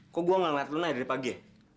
kok gue gak ngeliat luna ya dari pagi